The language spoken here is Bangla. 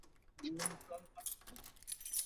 কিন্তু ওরা ওর মায়ের কথা শুনে নিজেদের সুযোগ হাতছাড়া করছে।